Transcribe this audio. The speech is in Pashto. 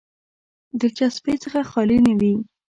دلچسپۍ څخه خالي نه وي.